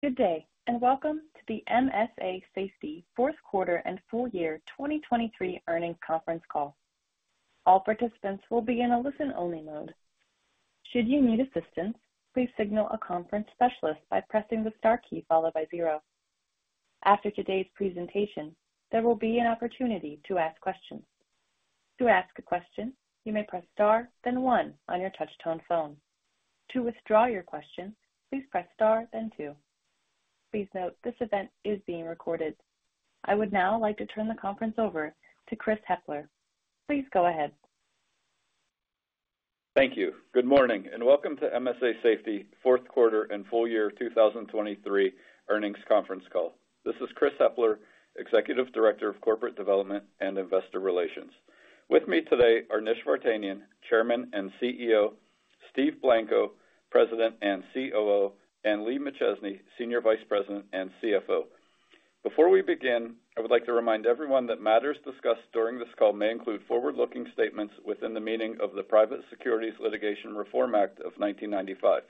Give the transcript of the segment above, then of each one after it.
Good day and welcome to the MSA Safety fourth quarter and full year 2023 earnings conference call. All participants will be in a listen-only mode. Should you need assistance, please signal a conference specialist by pressing the star key followed by 0. After today's presentation, there will be an opportunity to ask questions. To ask a question, you may press star then 1 on your touch-tone phone. To withdraw your question, please press star then 2. Please note this event is being recorded. I would now like to turn the conference over to Chris Hepler. Please go ahead. Thank you. Good morning and welcome to MSA Safety fourth quarter and full year 2023 earnings conference call. This is Chris Hepler, Executive Director of Corporate Development and Investor Relations. With me today are Nish Vartanian, Chairman and CEO; Steve Blanco, President and COO; and Lee McChesney, Senior Vice President and CFO. Before we begin, I would like to remind everyone that matters discussed during this call may include forward-looking statements within the meaning of the Private Securities Litigation Reform Act of 1995.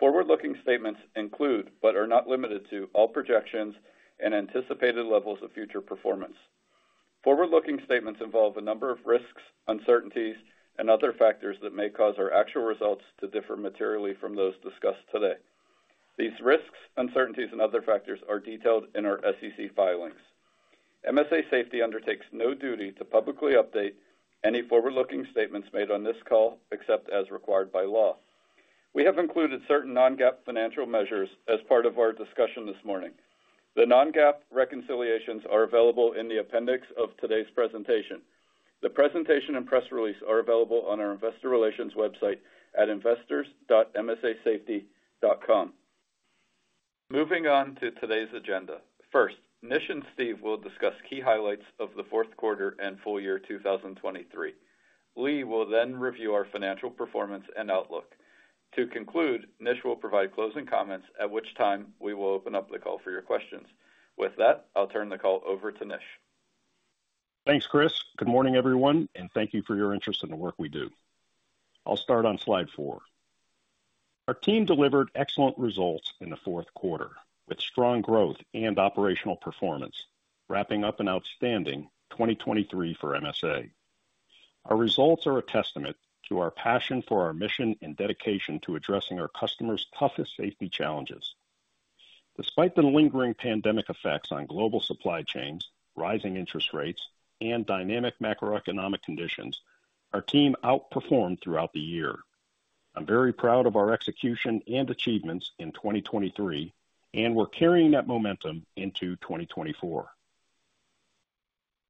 Forward-looking statements include but are not limited to all projections and anticipated levels of future performance. Forward-looking statements involve a number of risks, uncertainties, and other factors that may cause our actual results to differ materially from those discussed today. These risks, uncertainties, and other factors are detailed in our SEC filings. MSA Safety undertakes no duty to publicly update any forward-looking statements made on this call except as required by law. We have included certain non-GAAP financial measures as part of our discussion this morning. The non-GAAP reconciliations are available in the appendix of today's presentation. The presentation and press release are available on our investor relations website at investors.msasafety.com. Moving on to today's agenda. First, Nish and Steve will discuss key highlights of the fourth quarter and full year 2023. Lee will then review our financial performance and outlook. To conclude, Nish will provide closing comments, at which time we will open up the call for your questions. With that, I'll turn the call over to Nish. Thanks, Chris. Good morning, everyone, and thank you for your interest in the work we do. I'll start on slide 4. Our team delivered excellent results in the fourth quarter, with strong growth and operational performance, wrapping up an outstanding 2023 for MSA. Our results are a testament to our passion for our mission and dedication to addressing our customers' toughest safety challenges. Despite the lingering pandemic effects on global supply chains, rising interest rates, and dynamic macroeconomic conditions, our team outperformed throughout the year. I'm very proud of our execution and achievements in 2023, and we're carrying that momentum into 2024.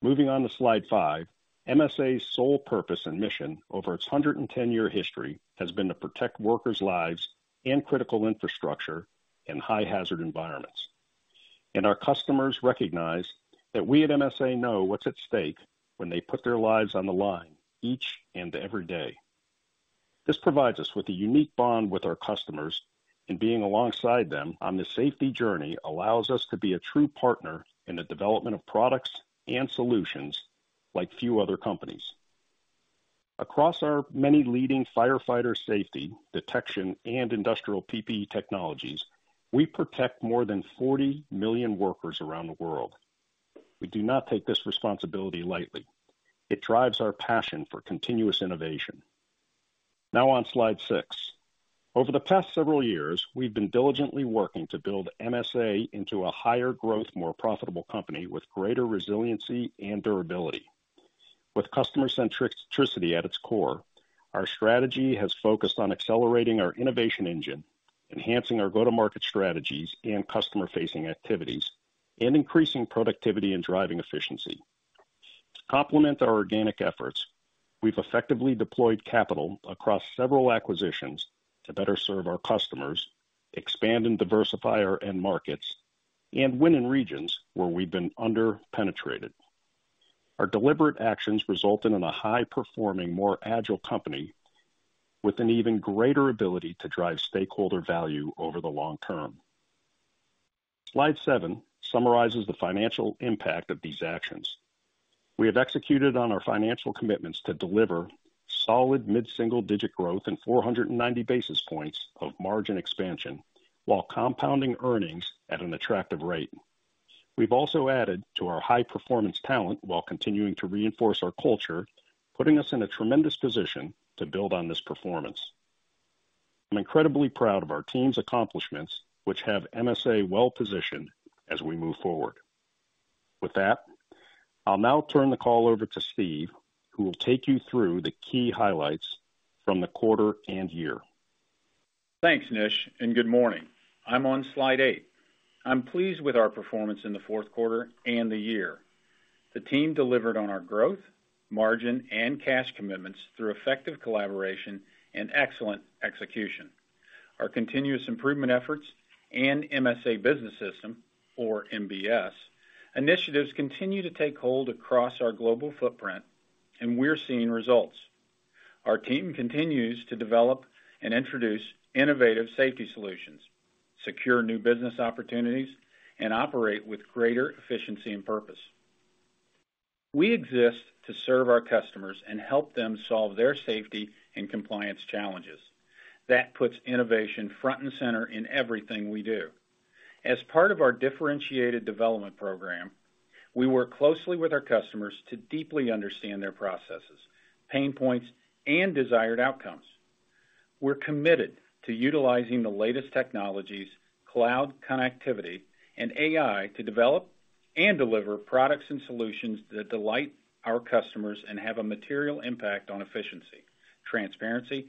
Moving on to slide 5. MSA's sole purpose and mission over its 110-year history has been to protect workers' lives and critical infrastructure in high-hazard environments. Our customers recognize that we at MSA know what's at stake when they put their lives on the line each and every day. This provides us with a unique bond with our customers, and being alongside them on this safety journey allows us to be a true partner in the development of products and solutions like few other companies. Across our many leading firefighter safety, detection, and industrial PPE technologies, we protect more than 40 million workers around the world. We do not take this responsibility lightly. It drives our passion for continuous innovation. Now, on Slide 6. Over the past several years, we've been diligently working to build MSA into a higher-growth, more profitable company with greater resiliency and durability. With customer-centricity at its core, our strategy has focused on accelerating our innovation engine, enhancing our go-to-market strategies and customer-facing activities, and increasing productivity and driving efficiency. To complement our organic efforts, we've effectively deployed capital across several acquisitions to better serve our customers, expand and diversify our end markets, and win in regions where we've been under-penetrated. Our deliberate actions result in a high-performing, more agile company with an even greater ability to drive stakeholder value over the long term. Slide 7 summarizes the financial impact of these actions. We have executed on our financial commitments to deliver solid mid-single-digit growth in 490 basis points of margin expansion while compounding earnings at an attractive rate. We've also added to our high-performance talent while continuing to reinforce our culture, putting us in a tremendous position to build on this performance. I'm incredibly proud of our team's accomplishments, which have MSA well-positioned as we move forward. With that, I'll now turn the call over to Steve, who will take you through the key highlights from the quarter and year. Thanks, Nish, and good morning. I'm on slide eight. I'm pleased with our performance in the fourth quarter and the year. The team delivered on our growth, margin, and cash commitments through effective collaboration and excellent execution. Our continuous improvement efforts and MSA Business System, or MBS, initiatives continue to take hold across our global footprint, and we're seeing results. Our team continues to develop and introduce innovative safety solutions, secure new business opportunities, and operate with greater efficiency and purpose. We exist to serve our customers and help them solve their safety and compliance challenges. That puts innovation front and center in everything we do. As part of our differentiated development program, we work closely with our customers to deeply understand their processes, pain points, and desired outcomes. We're committed to utilizing the latest technologies, cloud connectivity, and AI to develop and deliver products and solutions that delight our customers and have a material impact on efficiency, transparency,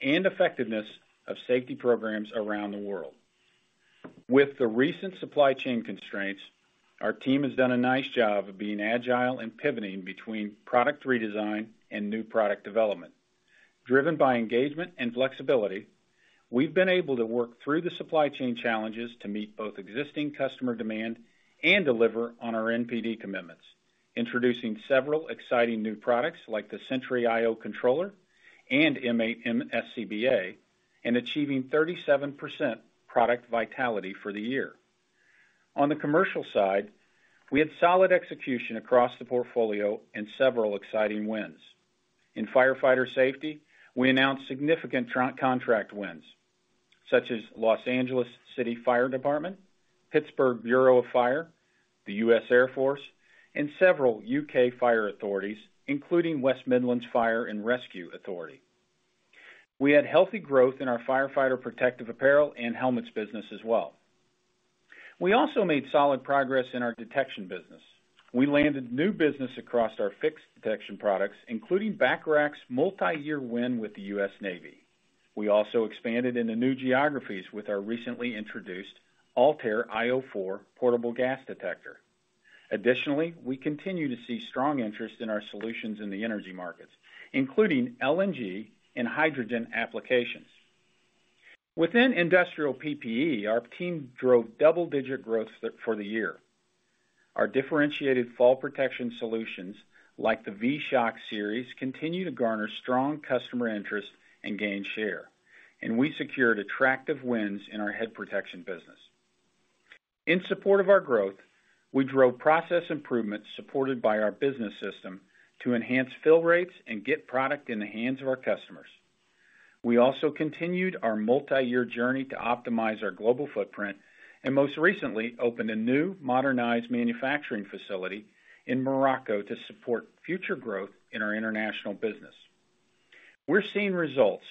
and effectiveness of safety programs around the world. With the recent supply chain constraints, our team has done a nice job of being agile and pivoting between product redesign and new product development. Driven by engagement and flexibility, we've been able to work through the supply chain challenges to meet both existing customer demand and deliver on our NPD commitments, introducing several exciting new products like the Sentry io Controller and M1SCBA, and achieving 37% product vitality for the year. On the commercial side, we had solid execution across the portfolio and several exciting wins. In firefighter safety, we announced significant contract wins, such as Los Angeles City Fire Department, Pittsburgh Bureau of Fire, the U.S. Air Force, and several U.K. fire authorities, including West Midlands Fire and Rescue Authority. We had healthy growth in our firefighter protective apparel and helmets business as well. We also made solid progress in our detection business. We landed new business across our fixed detection products, including Bacharach's multi-year win with the U.S. Navy. We also expanded into new geographies with our recently introduced ALTAIR io 4 portable gas detector. Additionally, we continue to see strong interest in our solutions in the energy markets, including LNG and hydrogen applications. Within industrial PPE, our team drove double-digit growth for the year. Our differentiated fall protection solutions, like the V-SHOCK series, continue to garner strong customer interest and gain share, and we secured attractive wins in our head protection business. In support of our growth, we drove process improvements supported by our business system to enhance fill rates and get product in the hands of our customers. We also continued our multi-year journey to optimize our global footprint and, most recently, opened a new modernized manufacturing facility in Morocco to support future growth in our international business. We're seeing results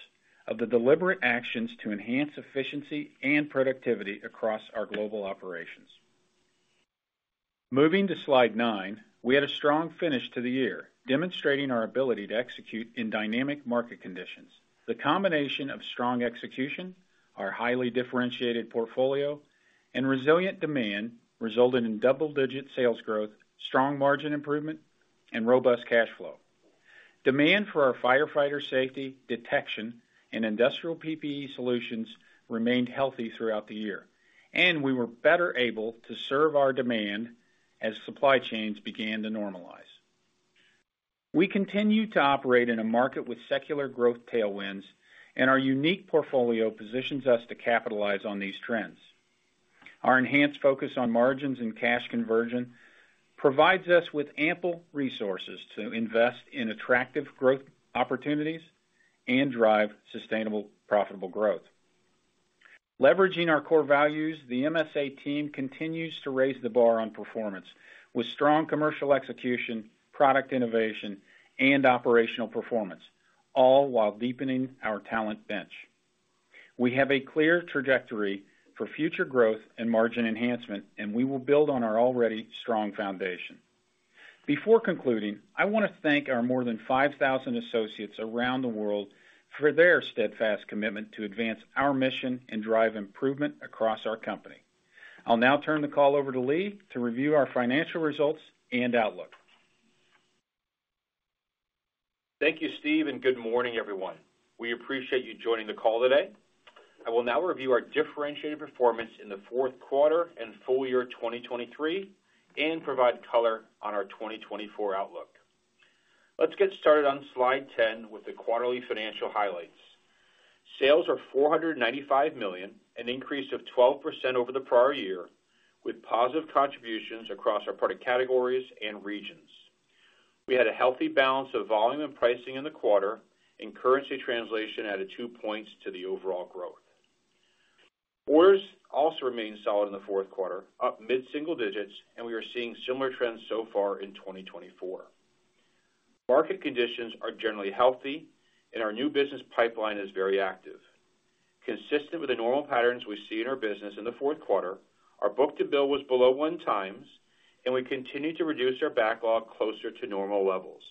of the deliberate actions to enhance efficiency and productivity across our global operations. Moving to slide 9, we had a strong finish to the year, demonstrating our ability to execute in dynamic market conditions. The combination of strong execution, our highly differentiated portfolio, and resilient demand resulted in double-digit sales growth, strong margin improvement, and robust cash flow. Demand for our firefighter safety, detection, and industrial PPE solutions remained healthy throughout the year, and we were better able to serve our demand as supply chains began to normalize. We continue to operate in a market with secular growth tailwinds, and our unique portfolio positions us to capitalize on these trends. Our enhanced focus on margins and cash conversion provides us with ample resources to invest in attractive growth opportunities and drive sustainable, profitable growth. Leveraging our core values, the MSA team continues to raise the bar on performance with strong commercial execution, product innovation, and operational performance, all while deepening our talent bench. We have a clear trajectory for future growth and margin enhancement, and we will build on our already strong foundation. Before concluding, I want to thank our more than 5,000 associates around the world for their steadfast commitment to advance our mission and drive improvement across our company. I'll now turn the call over to Lee to review our financial results and outlook. Thank you, Steve, and good morning, everyone. We appreciate you joining the call today. I will now review our differentiated performance in the fourth quarter and full year 2023 and provide color on our 2024 outlook. Let's get started on slide 10 with the quarterly financial highlights. Sales are $495 million, an increase of 12% over the prior year, with positive contributions across our product categories and regions. We had a healthy balance of volume and pricing in the quarter, and currency translation added 2 points to the overall growth. Orders also remain solid in the fourth quarter, up mid-single digits, and we are seeing similar trends so far in 2024. Market conditions are generally healthy, and our new business pipeline is very active. Consistent with the normal patterns we see in our business in the fourth quarter, our book-to-bill was below 1x, and we continue to reduce our backlog closer to normal levels.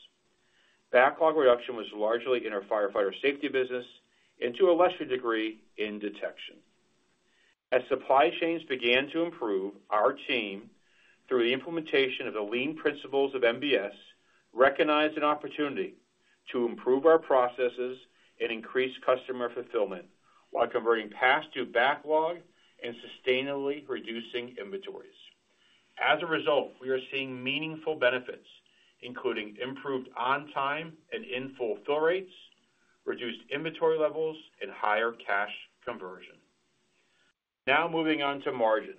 Backlog reduction was largely in our firefighter safety business and, to a lesser degree, in detection. As supply chains began to improve, our team, through the implementation of the lean principles of MBS, recognized an opportunity to improve our processes and increase customer fulfillment while converting past-due backlog and sustainably reducing inventories. As a result, we are seeing meaningful benefits, including improved on-time and in-full fill rates, reduced inventory levels, and higher cash conversion. Now moving on to margins.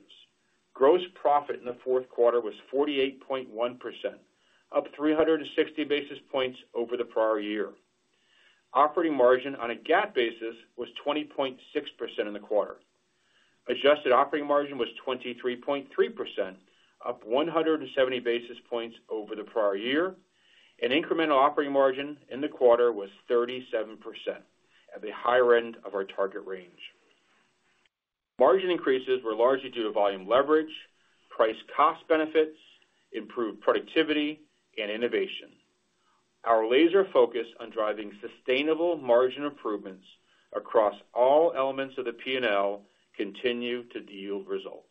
Gross profit in the fourth quarter was 48.1%, up 360 basis points over the prior year. Operating margin on a GAAP basis was 20.6% in the quarter. Adjusted operating margin was 23.3%, up 170 basis points over the prior year. An incremental operating margin in the quarter was 37%, at the higher end of our target range. Margin increases were largely due to volume leverage, price-cost benefits, improved productivity, and innovation. Our laser focus on driving sustainable margin improvements across all elements of the P&L continues to yield results.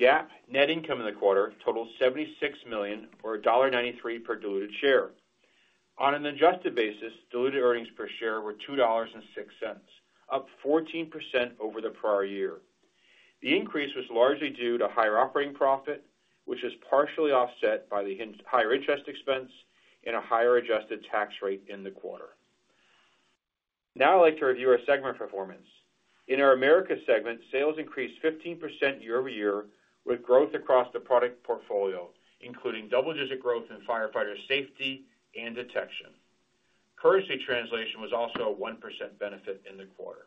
GAAP net income in the quarter totaled $76 million, or $1.93 per diluted share. On an adjusted basis, diluted earnings per share were $2.06, up 14% over the prior year. The increase was largely due to higher operating profit, which was partially offset by the higher interest expense and a higher adjusted tax rate in the quarter. Now I'd like to review our segment performance. In our Americas segment, sales increased 15% year-over-year with growth across the product portfolio, including double-digit growth in firefighter safety and detection. Currency translation was also a 1% benefit in the quarter.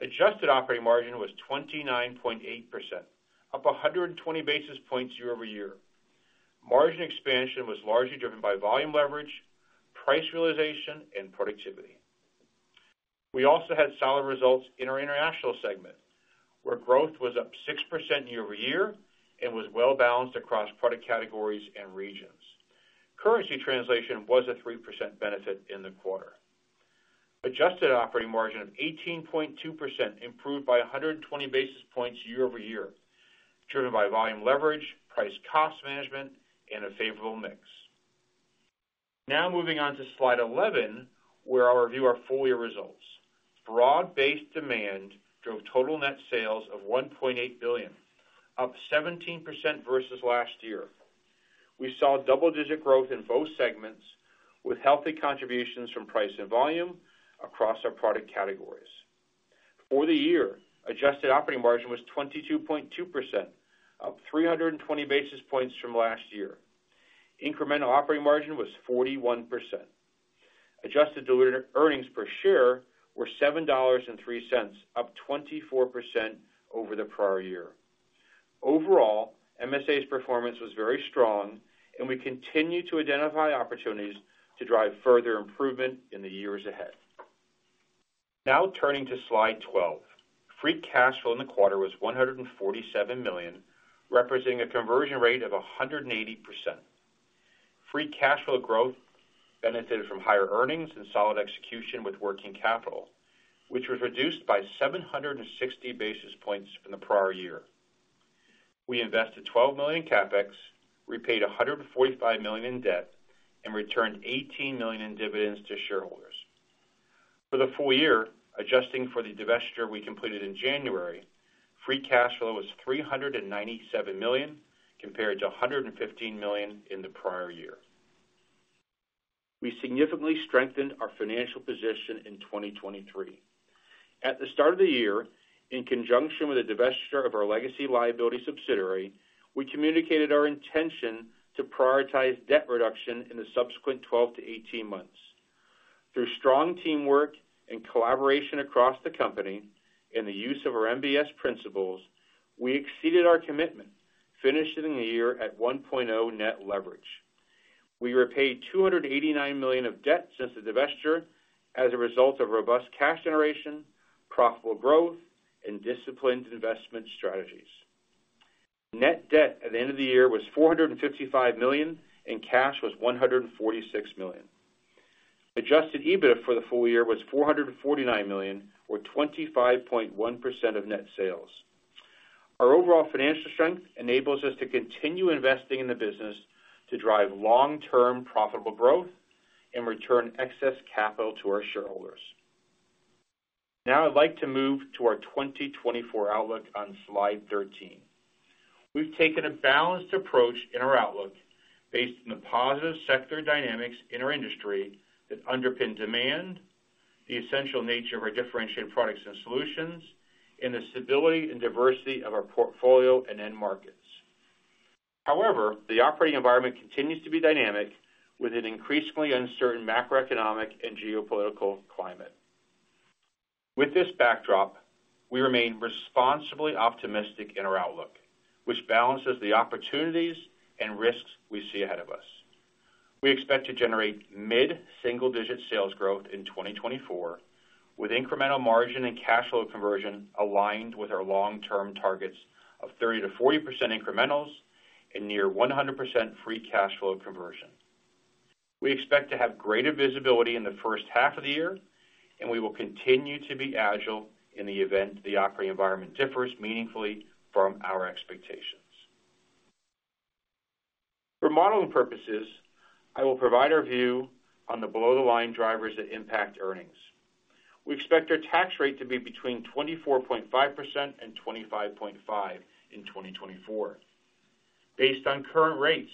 Adjusted operating margin was 29.8%, up 120 basis points year-over-year. Margin expansion was largely driven by volume leverage, price realization, and productivity. We also had solid results in our international segment, where growth was up 6% year-over-year and was well-balanced across product categories and regions. Currency translation was a 3% benefit in the quarter. Adjusted operating margin of 18.2% improved by 120 basis points year-over-year, driven by volume leverage, price-cost management, and a favorable mix. Now moving on to slide 11, where I'll review our full-year results. Broad-based demand drove total net sales of $1.8 billion, up 17% versus last year. We saw double-digit growth in both segments with healthy contributions from price and volume across our product categories. For the year, adjusted operating margin was 22.2%, up 320 basis points from last year. Incremental operating margin was 41%. Adjusted diluted earnings per share were $7.03, up 24% over the prior year. Overall, MSA's performance was very strong, and we continue to identify opportunities to drive further improvement in the years ahead. Now turning to slide 12. Free cash flow in the quarter was $147 million, representing a conversion rate of 180%. Free cash flow growth benefited from higher earnings and solid execution with working capital, which was reduced by 760 basis points from the prior year. We invested $12 million CapEx, repaid $145 million in debt, and returned $18 million in dividends to shareholders. For the full year, adjusting for the divestiture we completed in January, free cash flow was $397 million compared to $115 million in the prior year. We significantly strengthened our financial position in 2023. At the start of the year, in conjunction with the divestiture of our legacy liability subsidiary, we communicated our intention to prioritize debt reduction in the subsequent 12-18 months. Through strong teamwork and collaboration across the company and the use of our MBS principles, we exceeded our commitment, finishing the year at 1.0 net leverage. We repaid $289 million of debt since the divestiture as a result of robust cash generation, profitable growth, and disciplined investment strategies. Net debt at the end of the year was $455 million, and cash was $146 million. Adjusted EBITDA for the full year was $449 million, or 25.1% of net sales. Our overall financial strength enables us to continue investing in the business to drive long-term profitable growth and return excess capital to our shareholders. Now I'd like to move to our 2024 outlook on slide 13. We've taken a balanced approach in our outlook based on the positive sector dynamics in our industry that underpin demand, the essential nature of our differentiated products and solutions, and the stability and diversity of our portfolio and end markets. However, the operating environment continues to be dynamic with an increasingly uncertain macroeconomic and geopolitical climate. With this backdrop, we remain responsibly optimistic in our outlook, which balances the opportunities and risks we see ahead of us. We expect to generate mid-single-digit sales growth in 2024, with incremental margin and cash flow conversion aligned with our long-term targets of 30%-40% incrementals and near 100% free cash flow conversion. We expect to have greater visibility in the first half of the year, and we will continue to be agile in the event the operating environment differs meaningfully from our expectations. For modeling purposes, I will provide our view on the below-the-line drivers that impact earnings. We expect our tax rate to be between 24.5% and 25.5% in 2024. Based on current rates,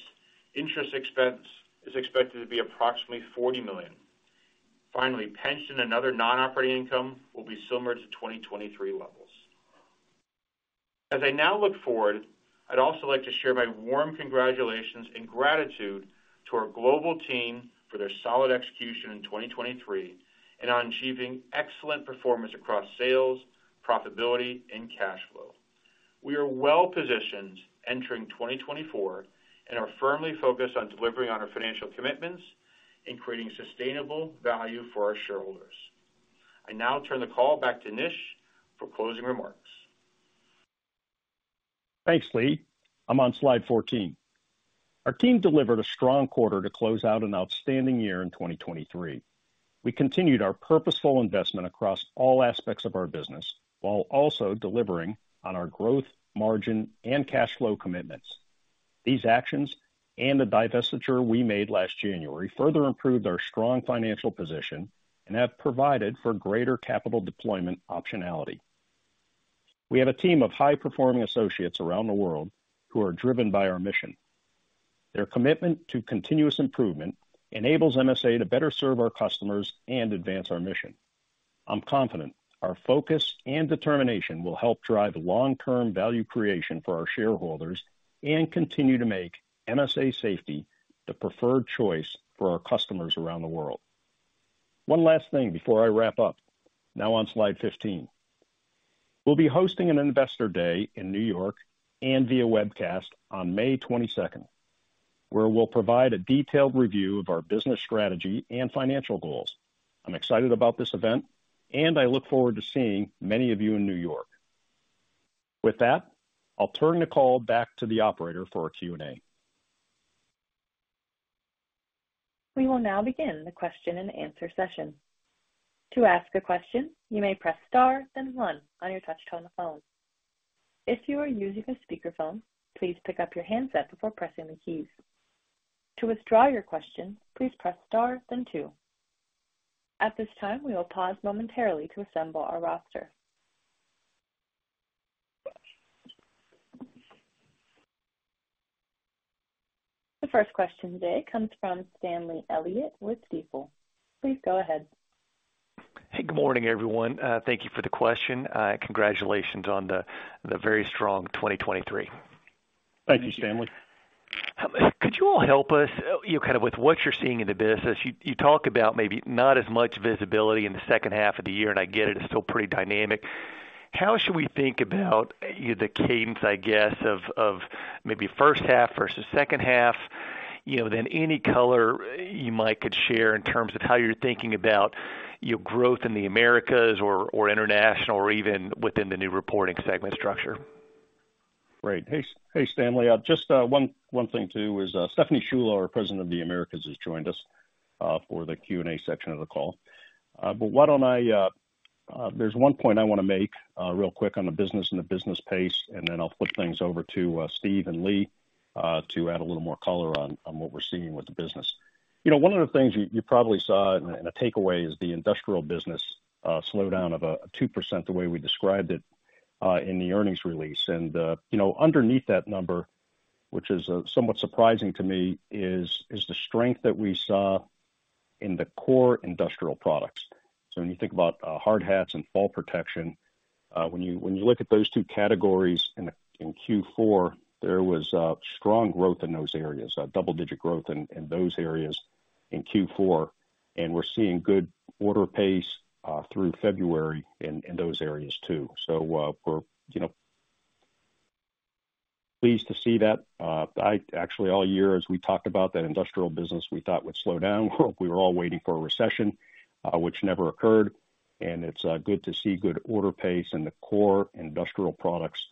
interest expense is expected to be approximately $40 million. Finally, pension and other non-operating income will be similar to 2023 levels. As I now look forward, I'd also like to share my warm congratulations and gratitude to our global team for their solid execution in 2023 and on achieving excellent performance across sales, profitability, and cash flow. We are well-positioned entering 2024 and are firmly focused on delivering on our financial commitments and creating sustainable value for our shareholders. I now turn the call back to Nish for closing remarks. Thanks, Lee. I'm on slide 14. Our team delivered a strong quarter to close out an outstanding year in 2023. We continued our purposeful investment across all aspects of our business while also delivering on our growth, margin, and cash flow commitments. These actions and the divestiture we made last January further improved our strong financial position and have provided for greater capital deployment optionality. We have a team of high-performing associates around the world who are driven by our mission. Their commitment to continuous improvement enables MSA to better serve our customers and advance our mission. I'm confident our focus and determination will help drive long-term value creation for our shareholders and continue to make MSA Safety the preferred choice for our customers around the world. One last thing before I wrap up. Now on slide 15. We'll be hosting an Investor Day in New York and via webcast on May 22nd, where we'll provide a detailed review of our business strategy and financial goals. I'm excited about this event, and I look forward to seeing many of you in New York. With that, I'll turn the call back to the operator for a Q&A. We will now begin the question-and-answer session. To ask a question, you may press star, then one, on your touchscreen on the phone. If you are using a speakerphone, please pick up your handset before pressing the keys. To withdraw your question, please press star, then two. At this time, we will pause momentarily to assemble our roster. The first question today comes from Stanley Elliott with Stifel. Please go ahead. Hey, good morning, everyone. Thank you for the question, and congratulations on the very strong 2023. Thank you, Stanley. Could you all help us kind of with what you're seeing in the business? You talk about maybe not as much visibility in the second half of the year, and I get it. It's still pretty dynamic. How should we think about the cadence, I guess, of maybe first half versus second half? Then any color you might could share in terms of how you're thinking about growth in the Americas or international or even within the new reporting segment structure? Right. Hey, Stanley. Just one thing, too, is Stephanie Sciullo, our President of the Americas, has joined us for the Q&A section of the call. But why don't I, there's one point I want to make real quick on the business and the business pace, and then I'll flip things over to Steve and Lee to add a little more color on what we're seeing with the business. One of the things you probably saw in a takeaway is the industrial business slowdown of 2%, the way we described it in the earnings release. And underneath that number, which is somewhat surprising to me, is the strength that we saw in the core industrial products. So when you think about hard hats and fall protection, when you look at those two categories in Q4, there was strong growth in those areas, double-digit growth in those areas in Q4. And we're seeing good order pace through February in those areas too. So we're pleased to see that. Actually, all year, as we talked about that industrial business, we thought would slow down. We were all waiting for a recession, which never occurred. And it's good to see good order pace in the core industrial products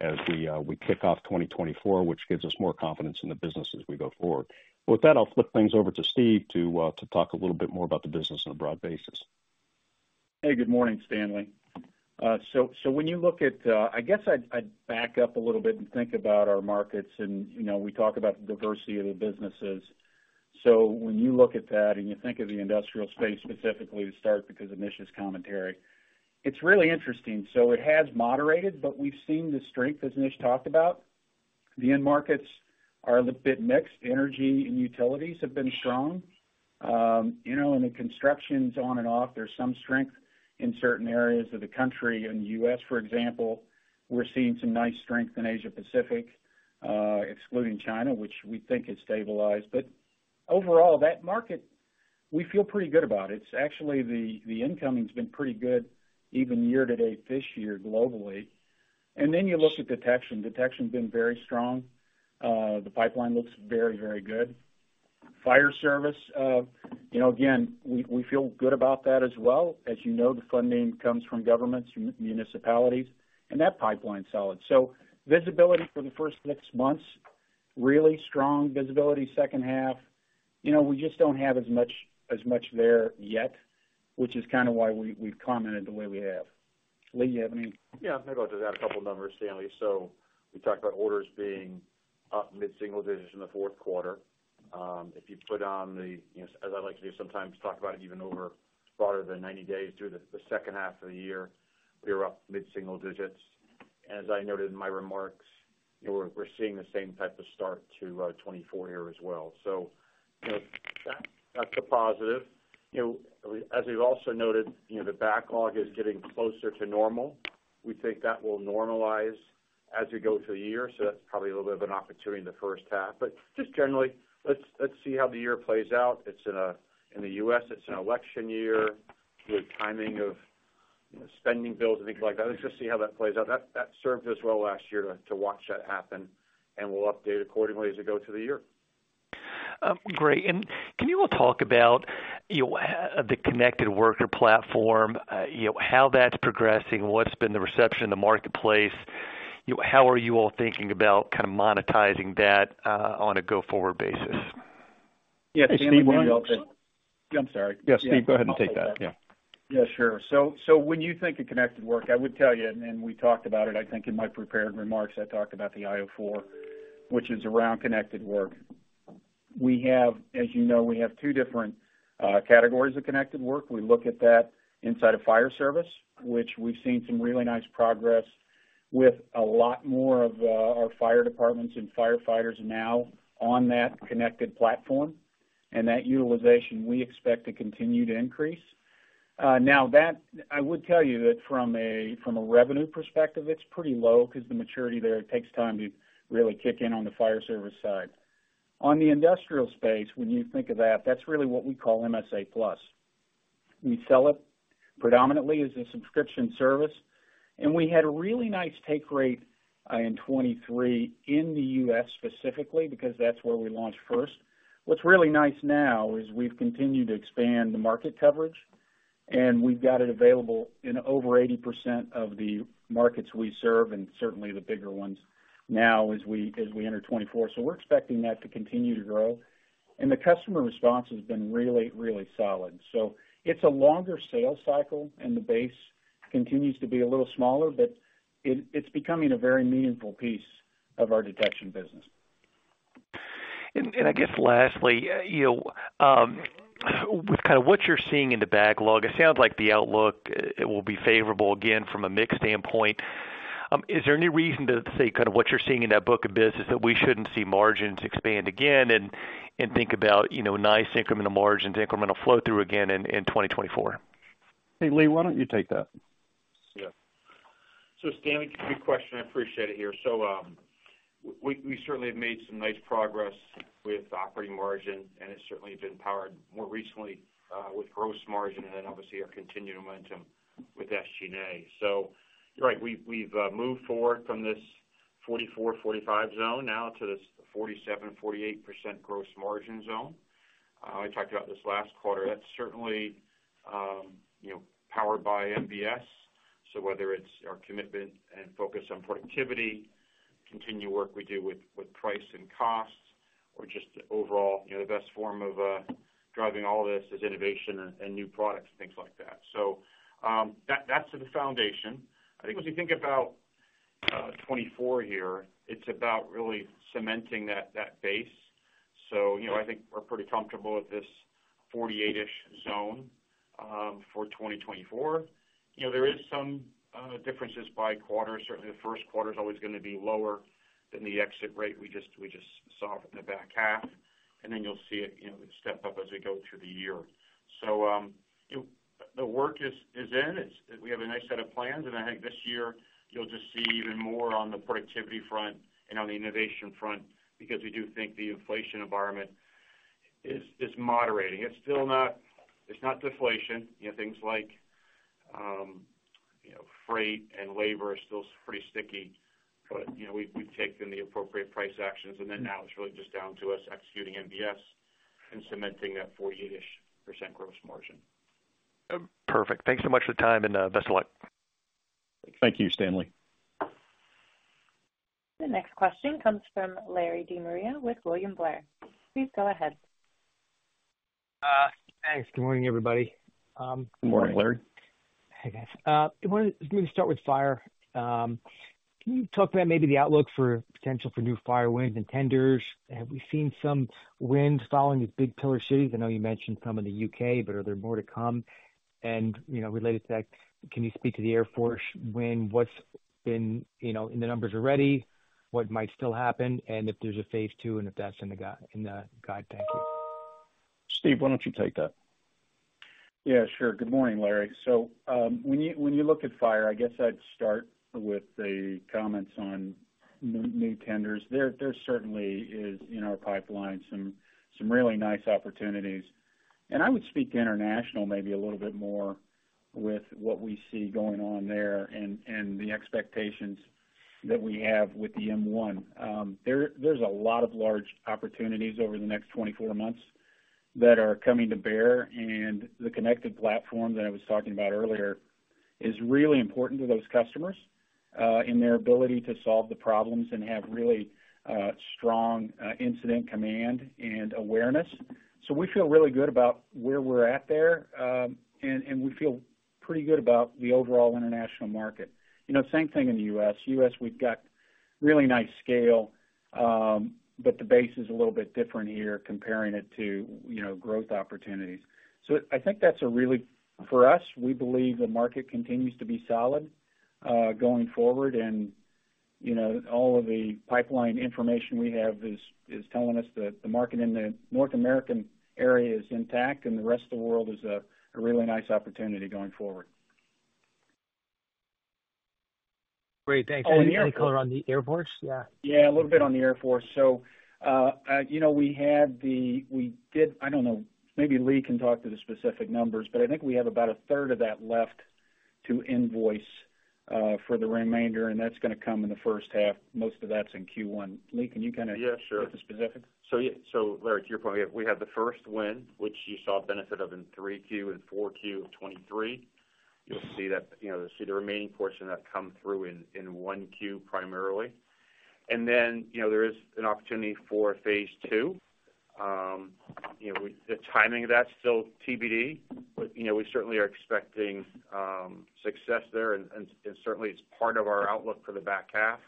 as we kick off 2024, which gives us more confidence in the business as we go forward. But with that, I'll flip things over to Steve to talk a little bit more about the business on a broad basis. Hey, good morning, Stanley. So when you look at, I guess I'd back up a little bit and think about our markets, and we talk about the diversity of the businesses. So when you look at that and you think of the industrial space specifically to start because of Nish's commentary, it's really interesting. So it has moderated, but we've seen the strength, as Nish talked about. The end markets are a bit mixed. Energy and utilities have been strong. In the constructions, on and off, there's some strength in certain areas of the country. In the U.S., for example, we're seeing some nice strength in Asia-Pacific, excluding China, which we think has stabilized. But overall, that market, we feel pretty good about it. Actually, the incoming's been pretty good, even year to date this year globally. And then you look at detection. Detection's been very strong. The pipeline looks very, very good. Fire service, again, we feel good about that as well. As you know, the funding comes from governments, municipalities, and that pipeline's solid. So visibility for the first six months, really strong visibility. Second half, we just don't have as much there yet, which is kind of why we've commented the way we have. Lee, do you have any? Yeah. Maybe I'll just add a couple of numbers, Stanley. So we talked about orders being up mid-single digits in the fourth quarter. If you put on the as I like to do sometimes, talk about it even broader than 90 days. Through the second half of the year, we were up mid-single digits. And as I noted in my remarks, we're seeing the same type of start to 2024 here as well. So that's the positive. As we've also noted, the backlog is getting closer to normal. We think that will normalize as we go through the year. So that's probably a little bit of an opportunity in the first half. But just generally, let's see how the year plays out. In the U.S., it's an election year with timing of spending bills and things like that. Let's just see how that plays out. That served us well last year to watch that happen, and we'll update accordingly as we go through the year. Great. Can you all talk about the Connected Worker platform, how that's progressing, what's been the reception in the marketplace? How are you all thinking about kind of monetizing that on a go-forward basis? Yeah, Stanley, what do you all think? Yeah, I'm sorry. Yeah, Steve, go ahead and take that. Yeah. Yeah, sure. So when you think of Connected Worker, I would tell you, and we talked about it, I think, in my prepared remarks, I talked about the io 4, which is around Connected Worker. As you know, we have two different categories of Connected Worker. We look at that inside of fire service, which we've seen some really nice progress with a lot more of our fire departments and firefighters now on that connected platform. And that utilization, we expect to continue to increase. Now, I would tell you that from a revenue perspective, it's pretty low because the maturity there, it takes time to really kick in on the fire service side. On the industrial space, when you think of that, that's really what we call MSA+. We sell it predominantly as a subscription service. We had a really nice take rate in 2023 in the U.S. specifically because that's where we launched first. What's really nice now is we've continued to expand the market coverage, and we've got it available in over 80% of the markets we serve and certainly the bigger ones now as we enter 2024. We're expecting that to continue to grow. The customer response has been really, really solid. It's a longer sales cycle, and the base continues to be a little smaller, but it's becoming a very meaningful piece of our detection business. I guess lastly, with kind of what you're seeing in the backlog, it sounds like the outlook it will be favorable again from a mix standpoint. Is there any reason to say kind of what you're seeing in that book of business that we shouldn't see margins expand again and think about nice incremental margins, incremental flow through again in 2024? Hey, Lee, why don't you take that? Yeah. So Stanley, good question. I appreciate it here. So we certainly have made some nice progress with operating margin, and it's certainly been powered more recently with gross margin and then obviously our continued momentum with SG&A. So you're right. We've moved forward from this 44-45 zone now to this 47%-48% gross margin zone. I talked about this last quarter. That's certainly powered by MBS. So whether it's our commitment and focus on productivity, continue work we do with price and cost, or just overall, the best form of driving all this is innovation and new products, things like that. So that's the foundation. I think as we think about 2024 here, it's about really cementing that base. So I think we're pretty comfortable at this 48-ish zone for 2024. There is some differences by quarter. Certainly, the first quarter's always going to be lower than the exit rate we just saw in the back half. And then you'll see it step up as we go through the year. So the work is in. We have a nice set of plans. And I think this year, you'll just see even more on the productivity front and on the innovation front because we do think the inflation environment is moderating. It's not deflation. Things like freight and labor are still pretty sticky, but we've taken the appropriate price actions. And then now it's really just down to us executing MBS and cementing that 48-ish% gross margin. Perfect. Thanks so much for the time, and best of luck. Thank you, Stanley. The next question comes from Larry De Maria with William Blair. Please go ahead. Thanks. Good morning, everybody. Good morning, Larry. Hey, guys. I wanted to maybe start with fire. Can you talk about maybe the outlook for potential for new fire wins and tenders? Have we seen some win following these big pillar cities? I know you mentioned some in the UK, but are there more to come? And related to that, can you speak to the Air Force win? What's been in the numbers already? What might still happen? And if there's a phase two and if that's in the guide, thank you. Steve, why don't you take that? Yeah, sure. Good morning, Larry. So when you look at fire, I guess I'd start with the comments on new tenders. There certainly is in our pipeline some really nice opportunities. And I would speak international maybe a little bit more with what we see going on there and the expectations that we have with the M1. There's a lot of large opportunities over the next 24 months that are coming to bear. And the Connected platform that I was talking about earlier is really important to those customers in their ability to solve the problems and have really strong incident command and awareness. So we feel really good about where we're at there, and we feel pretty good about the overall international market. Same thing in the U.S. U.S., we've got really nice scale, but the base is a little bit different here comparing it to growth opportunities. So, I think that's a really for us. We believe the market continues to be solid going forward. All of the pipeline information we have is telling us that the market in the North American area is intact, and the rest of the world is a really nice opportunity going forward. Great. Thanks. Any color on the Air Force? Yeah. Yeah, a little bit on the Air Force. So we had the. I don't know. Maybe Lee can talk to the specific numbers, but I think we have about a third of that left to invoice for the remainder, and that's going to come in the first half. Most of that's in Q1. Lee, can you kind of get the specifics? Yeah, sure. So Larry, to your point, we had the first wind, which you saw benefit of in 3Q and 4Q of 2023. You'll see the remaining portion of that come through in 1Q primarily. And then there is an opportunity for phase two. The timing of that's still TBD, but we certainly are expecting success there. And certainly, it's part of our outlook for the back half.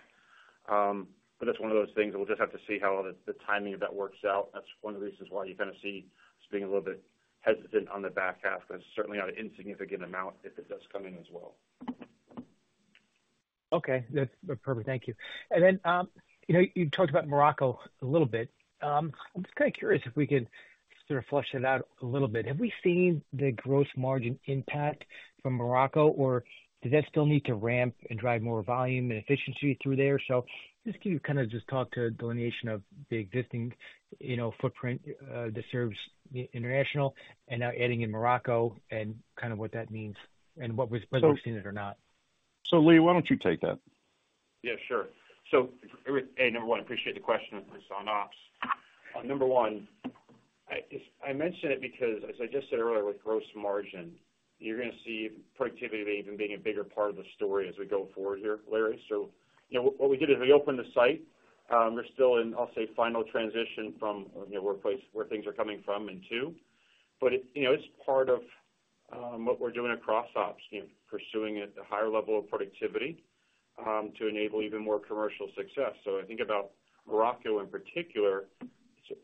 But that's one of those things that we'll just have to see how the timing of that works out. That's one of the reasons why you kind of see us being a little bit hesitant on the back half because it's certainly not an insignificant amount if it does come in as well. Okay. That's perfect. Thank you. And then you talked about Morocco a little bit. I'm just kind of curious if we can sort of flesh that out a little bit. Have we seen the gross margin impact from Morocco, or does that still need to ramp and drive more volume and efficiency through there? So just give you kind of just talk to delineation of the existing footprint that serves international and now adding in Morocco and kind of what that means and whether we've seen it or not. Lee, why don't you take that? Yeah, sure. So hey, number one, I appreciate the question. It's on ops. Number one, I mentioned it because, as I just said earlier with gross margin, you're going to see productivity even being a bigger part of the story as we go forward here, Larry. So what we did is we opened the site. We're still in, I'll say, final transition from where things are coming from and to. But it's part of what we're doing across ops, pursuing a higher level of productivity to enable even more commercial success. So I think about Morocco in particular,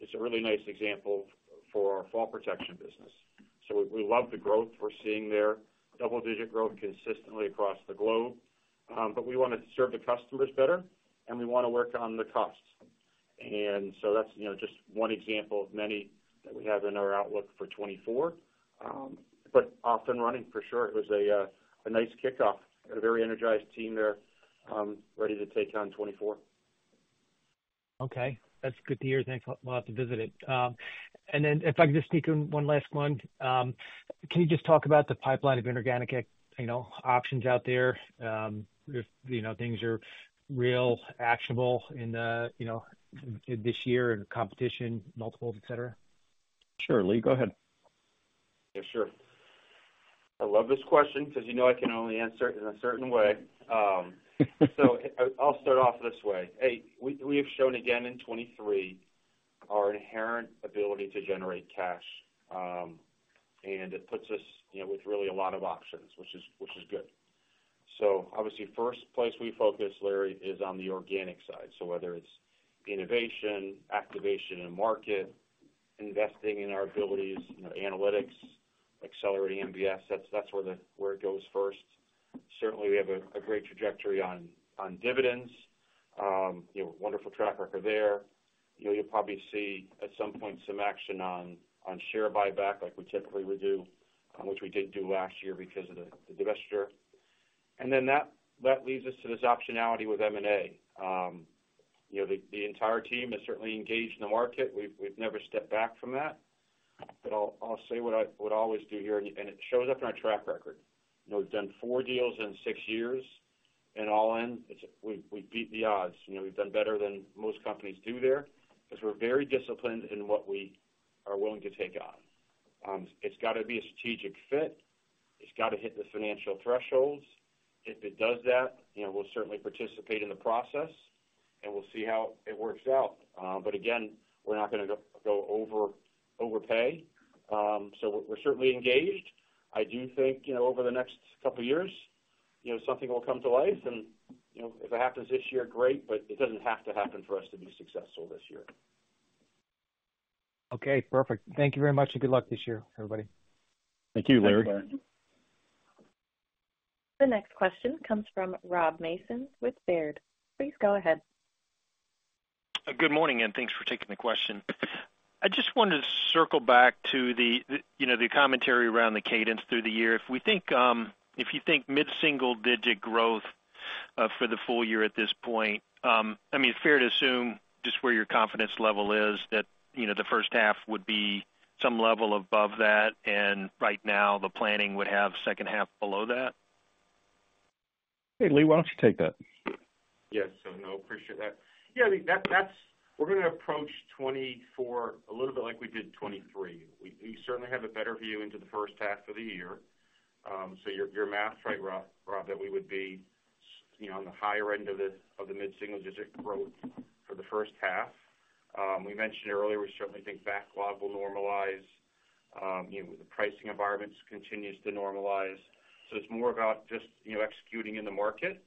it's a really nice example for our fall protection business. So we love the growth we're seeing there, double-digit growth consistently across the globe. But we want to serve the customers better, and we want to work on the costs. And so that's just one example of many that we have in our outlook for 2024. But off and running, for sure, it was a nice kickoff. We had a very energized team there ready to take on 2024. Okay. That's good to hear. Thanks. We'll have to visit it. And then if I could just sneak in one last one, can you just talk about the pipeline of inorganic options out there if things are real, actionable in this year in competition, multiples, etc.? Sure. Lee, go ahead. Yeah, sure. I love this question because I can only answer it in a certain way. I'll start off this way. Hey, we have shown again in 2023 our inherent ability to generate cash, and it puts us with really a lot of options, which is good. Obviously, first place we focus, Larry, is on the organic side. Whether it's innovation, activation in the market, investing in our abilities, analytics, accelerating MBS, that's where it goes first. Certainly, we have a great trajectory on dividends, wonderful track record there. You'll probably see at some point some action on share buyback like we typically would do, which we didn't do last year because of the divestiture. Then that leads us to this optionality with M&A. The entire team is certainly engaged in the market. We've never stepped back from that. I'll say what I would always do here, and it shows up in our track record. We've done 4 deals in 6 years. All in, we've beat the odds. We've done better than most companies do there because we're very disciplined in what we are willing to take on. It's got to be a strategic fit. It's got to hit the financial thresholds. If it does that, we'll certainly participate in the process, and we'll see how it works out. But again, we're not going to go overpay. So we're certainly engaged. I do think over the next couple of years, something will come to life. If it happens this year, great, but it doesn't have to happen for us to be successful this year. Okay. Perfect. Thank you very much, and good luck this year, everybody. Thank you, Larry. Thanks, Larry. The next question comes from Rob Mason with Baird. Please go ahead. Good morning, and thanks for taking the question. I just wanted to circle back to the commentary around the cadence through the year. If you think mid-single-digit growth for the full year at this point, I mean, it's fair to assume just where your confidence level is that the first half would be some level above that, and right now, the planning would have second half below that? Hey, Lee, why don't you take that? Yeah. So no, appreciate that. Yeah, I mean, we're going to approach 2024 a little bit like we did 2023. We certainly have a better view into the first half of the year. So your math's right, Rob, that we would be on the higher end of the mid-single-digit growth for the first half. We mentioned earlier, we certainly think backlog will normalize. The pricing environment continues to normalize. So it's more about just executing in the market.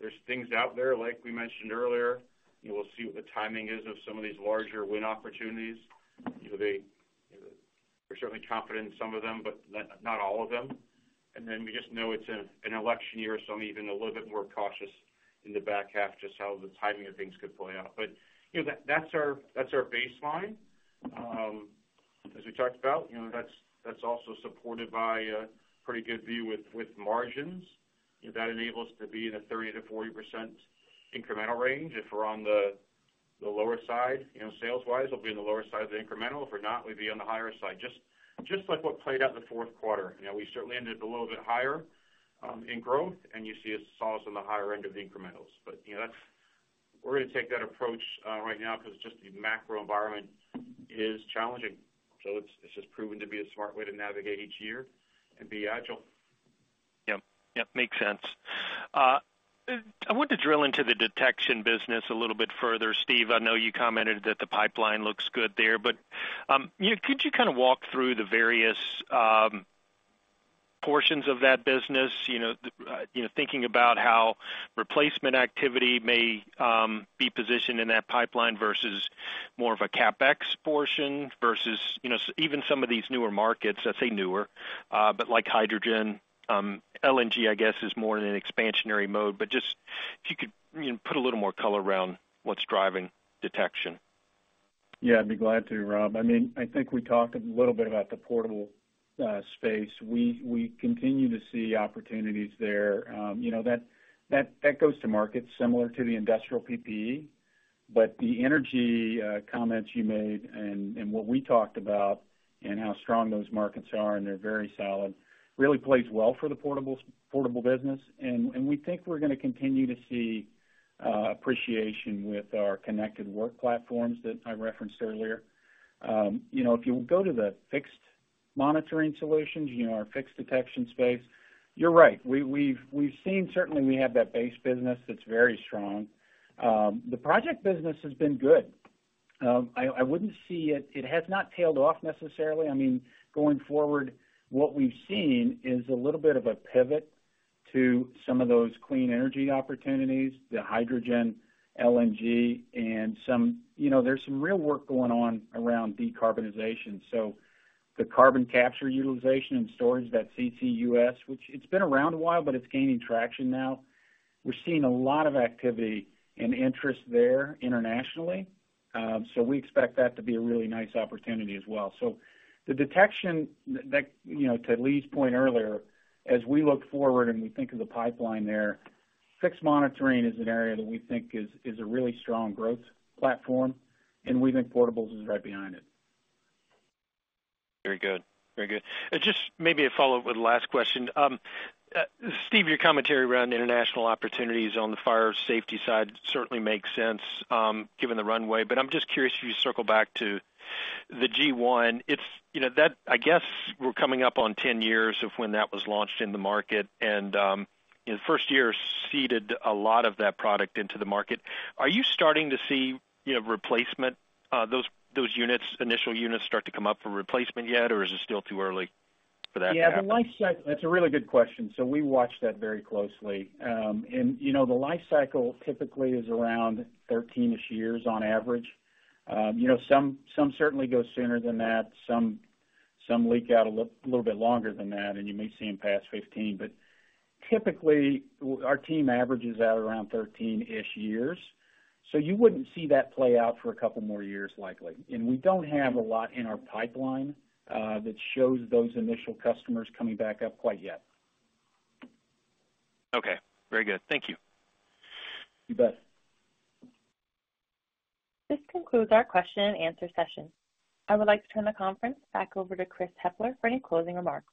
There's things out there, like we mentioned earlier. We'll see what the timing is of some of these larger wind opportunities. We're certainly confident in some of them, but not all of them. And then we just know it's an election year, so I'm even a little bit more cautious in the back half just how the timing of things could play out. But that's our baseline. As we talked about, that's also supported by a pretty good view with margins. That enables us to be in a 30%-40% incremental range. If we're on the lower side, sales-wise, we'll be on the lower side of the incremental. If we're not, we'd be on the higher side. Just like what played out the fourth quarter. We certainly ended up a little bit higher in growth, and you saw us on the higher end of the incrementals. But we're going to take that approach right now because just the macro environment is challenging. So it's just proven to be a smart way to navigate each year and be agile. Yep. Yep. Makes sense. I want to drill into the detection business a little bit further, Steve. I know you commented that the pipeline looks good there. But could you kind of walk through the various portions of that business, thinking about how replacement activity may be positioned in that pipeline versus more of a CapEx portion versus even some of these newer markets? I say newer, but like hydrogen, LNG, I guess, is more in an expansionary mode. But just if you could put a little more color around what's driving detection? Yeah, I'd be glad to, Rob. I mean, I think we talked a little bit about the portable space. We continue to see opportunities there. That goes to markets similar to the industrial PPE. But the energy comments you made and what we talked about and how strong those markets are, and they're very solid, really plays well for the portable business. And we think we're going to continue to see appreciation with our connected work platforms that I referenced earlier. If you go to the fixed monitoring solutions, our fixed detection space, you're right. Certainly, we have that base business that's very strong. The project business has been good. I wouldn't see it has not tailed off necessarily. I mean, going forward, what we've seen is a little bit of a pivot to some of those clean energy opportunities, the hydrogen, LNG, and there's some real work going on around decarbonization. So the carbon capture utilization and storage, that CCUS, which it's been around a while, but it's gaining traction now. We're seeing a lot of activity and interest there internationally. So we expect that to be a really nice opportunity as well. So the detection, to Lee's point earlier, as we look forward and we think of the pipeline there, fixed monitoring is an area that we think is a really strong growth platform. And we think portables is right behind it. Very good. Very good. Just maybe a follow-up with the last question. Steve, your commentary around international opportunities on the fire safety side certainly makes sense given the runway. But I'm just curious if you circle back to the G1. I guess we're coming up on 10 years of when that was launched in the market. The first year seeded a lot of that product into the market. Are you starting to see replacement those initial units start to come up for replacement yet, or is it still too early for that to happen? Yeah, the life cycle, that's a really good question. So we watch that very closely. And the life cycle typically is around 13-ish years on average. Some certainly go sooner than that. Some leak out a little bit longer than that, and you may see them past 15. But typically, our team averages out around 13-ish years. So you wouldn't see that play out for a couple more years, likely. And we don't have a lot in our pipeline that shows those initial customers coming back up quite yet. Okay. Very good. Thank you. You bet. This concludes our question and answer session. I would like to turn the conference back over to Chris Hepler for any closing remarks.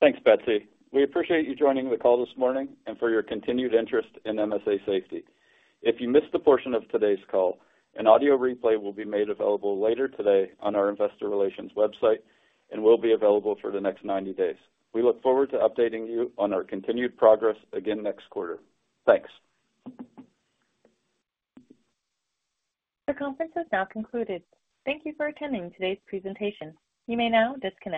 Thanks, Betsy. We appreciate you joining the call this morning and for your continued interest in MSA Safety. If you missed a portion of today's call, an audio replay will be made available later today on our investor relations website, and will be available for the next 90 days. We look forward to updating you on our continued progress again next quarter. Thanks. The conference has now concluded. Thank you for attending today's presentation. You may now disconnect.